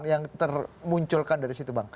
yang termunculkan dari situ bang